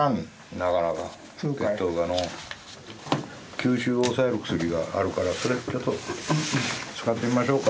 吸収を抑える薬があるからそれちょっと使ってみましょうか。